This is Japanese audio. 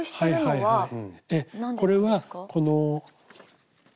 はい。